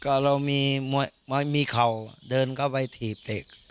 ก็เรามีมวยมีเข่าเดินก็ไปถีบเตะ